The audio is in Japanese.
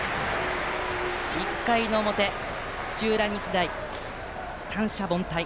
１回表、土浦日大は三者凡退。